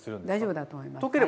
大丈夫だと思います。